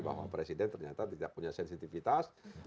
bahwa presiden ternyata tidak punya sensitivitas